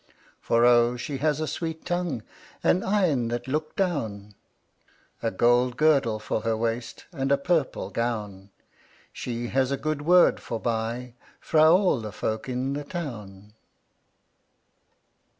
"For, oh! she has a sweet tongue, And een that look down, A gold girdle for her waist, And a purple gown. She has a good word forbye Fra a' folk in the town."